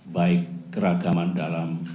baik keragaman dalam